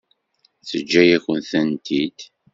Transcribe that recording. Teǧǧa-yak-tent-id?